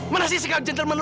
mana sih sekat gentleman lu